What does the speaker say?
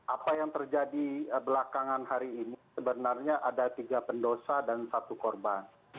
apa yang terjadi belakangan hari ini sebenarnya ada tiga pendosa dan satu korban